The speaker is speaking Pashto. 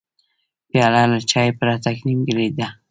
پیاله له چای پرته نیمګړې ده.